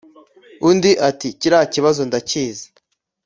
undi ati : kiriya kibazo ndakizi